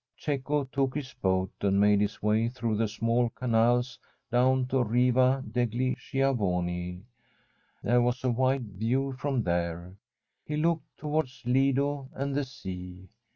Cecco took his boat and made his way through the small canals down to Riva degli Schiavoni. There was a wide view from there; he looked towards Lido and the sea.